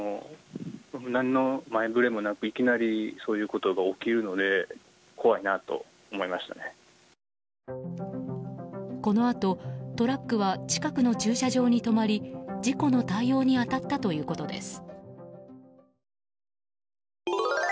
このあとトラックは近くの駐車場に止まり事故の対応に当たったということです。